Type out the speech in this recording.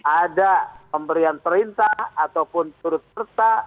ada pemberian perintah ataupun turut serta